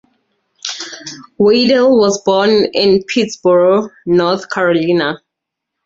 Waddell was born in Pittsboro, North Carolina.